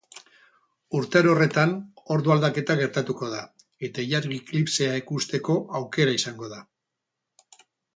Urtaro horretan ordu-aldaketa gertatuko da, eta ilargi-eklipsea ikusteko aukera izango da.